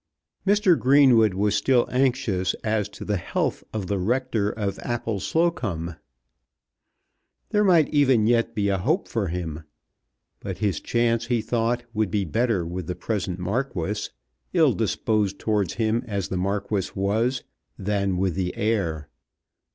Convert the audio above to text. Mr. Greenwood was still anxious as to the health of the Rector of Appleslocombe. There might be even yet a hope for him; but his chance, he thought, would be better with the present Marquis ill disposed towards him as the Marquis was than with the heir.